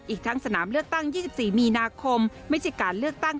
อีกทั้งสนามเลือกตั้ง๒๔มีนาคมไม่ใช่การเลือกตั้ง